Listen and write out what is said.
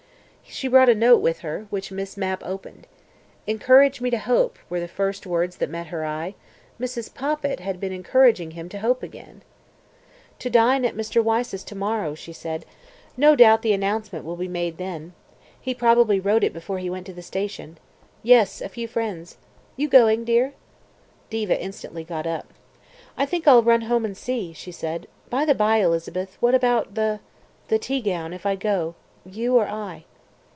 She brought a note with her, which Miss Mapp opened. "Encourage me to hope," were the first words that met her eye: Mrs. Poppit had been encouraging him to hope again. "To dine at Mr. Wyse's to morrow," she said. "No doubt the announcement will be made then. He probably wrote it before he went to the station. Yes, a few friends. You going dear?" Diva instantly got up. "Think I'll run home and see," she said. "By the by, Elizabeth, what about the the teagown, if I go? You or I?"